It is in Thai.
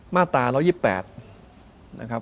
มาตรา๑๒๘